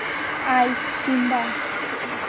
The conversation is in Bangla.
আয়, সিম্বা!